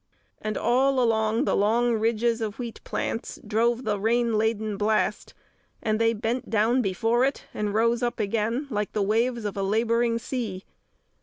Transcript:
And all along the long ridges of wheat plants drove the rain laden blast, and they bent down before it and rose up again, like the waves of a labouring sea.